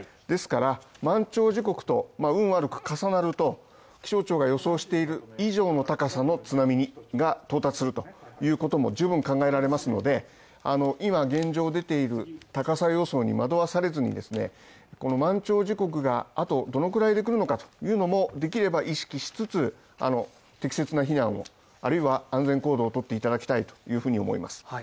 ですから、満潮時刻と運悪く重なると気象庁は予想している以上の高さの津波が到達するということも十分考えられますので今現状出ている高さ予想に惑わされずにですね、この満潮時刻があとどのくらいできるのかというのも、できれば意識しつつ適切な避難を、あるいは安全行動をとっていただきたいというふうに思います。